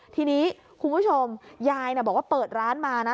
ทีนี้คุณผู้ชมยายบอกว่าเปิดร้านมานะ